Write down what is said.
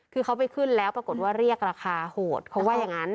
คือเขาไปขึ้นแล้วปรากฏว่าเรียกราคาโหดเขาว่าอย่างนั้น